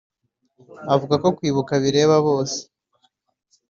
avuga ko kwibuka bireba bose